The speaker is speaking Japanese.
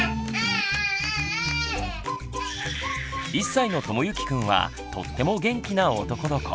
１歳のともゆきくんはとっても元気な男の子。